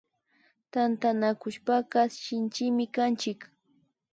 Tantanakushpaka Shinchimi kanchik